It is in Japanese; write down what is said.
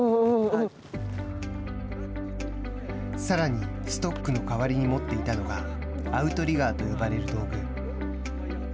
さらに、ストックの代わりに持っていたのがアウトリガーと呼ばれる道具。